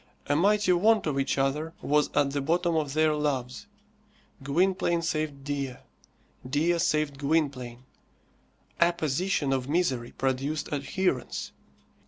A mighty want of each other was at the bottom of their loves, Gwynplaine saved Dea. Dea saved Gwynplaine. Apposition of misery produced adherence.